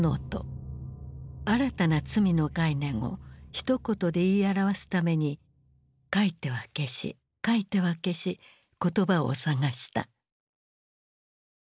新たな罪の概念をひと言で言い表すために書いては消し書いては消し言葉を探した。